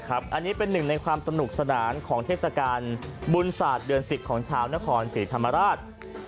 อันนี้เป็นหนึ่งในความสนุกสนานของเทศกาลบุญศาสตร์เดือน๑๐ของชาวนครศรีธรรมราช